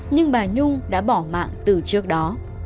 nhưng bà nhung đã bỏ mạng từ trước đó